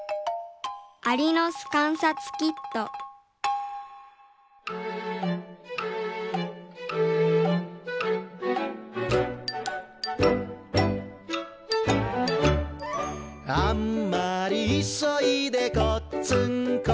アリのすかんさつキット「あんまりいそいでこっつんこ」